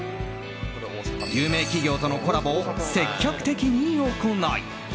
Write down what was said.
有名企業とのコラボを積極的に行い